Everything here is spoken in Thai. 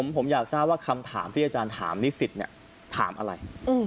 ผมอยากทราบว่าคำถามที่อาจารย์ถามนิสิตถามอะไร